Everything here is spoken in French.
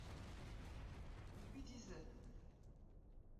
Il lui disait